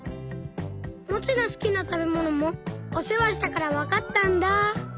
モチのすきなたべものもおせわしたからわかったんだ。